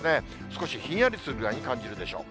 少しひんやりするぐらいに感じるでしょう。